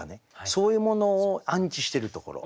そういうものを安置してるところ。